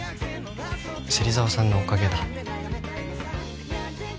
芹沢さんのおかげだ。